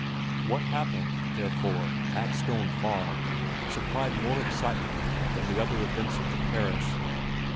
What happened, therefore, at Stone Farm supplied more excitement than the other events of the parish.